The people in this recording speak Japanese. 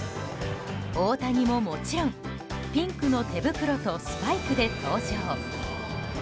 大谷ももちろんピンクの手袋とスパイクで登場。